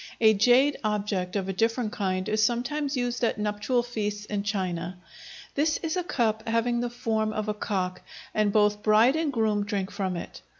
A jade object of a different kind is sometimes used at nuptial feasts in China. This is a cup having the form of a cock, and both bride and groom drink from it.